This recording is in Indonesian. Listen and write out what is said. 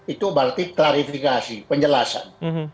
itu berarti klarifikasi penjelasan